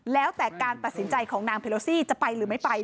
แล้วแต่การตัดสินใจของนางเพโลซี่จะไปหรือไม่ไป